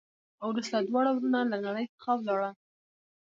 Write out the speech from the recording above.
وروسته دواړه ورونه له نړۍ څخه ولاړل.